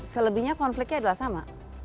selebihnya konfliknya adalah sama